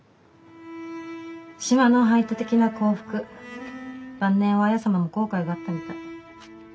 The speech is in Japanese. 島の排他的な幸福晩年は文様も後悔があったみたい。